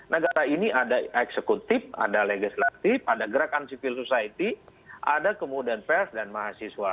negara ini ada eksekutif ada legislatif ada gerakan civil society ada kemudian pers dan mahasiswa